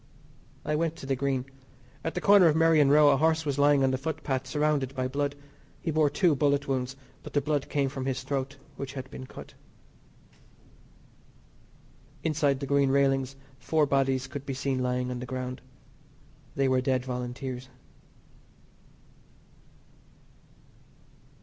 I went to the Green. At the corner of Merrion Row a horse was lying on the footpath surrounded by blood. He bore two bullet wounds, but the blood came from his throat which had been cut. Inside the Green railings four bodies could be seen lying on the ground. They were dead Volunteers.